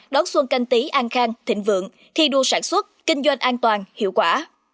đón xuân canh tí an khang thịnh vượng thi đua sản xuất kinh doanh an toàn hiệu quả